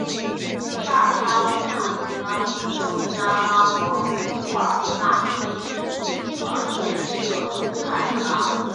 沙尔沙乌帕齐拉是孟加拉国库尔纳专区杰索尔县的一个乌帕齐拉。